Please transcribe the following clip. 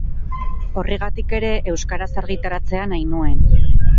Horregatik ere euskaraz argitaratzea nahi nuen.